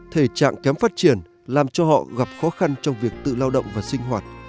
thể trạng kém phát triển làm cho họ gặp khó khăn trong việc tự lao động và sinh hoạt